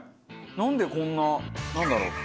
なんでこんななんだろう？